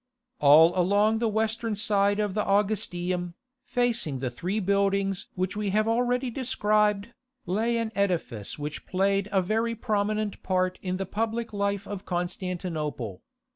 All along the western side of the Augustaeum, facing the three buildings which we have already described, lay an edifice which played a very prominent part in the public life of Constantinople.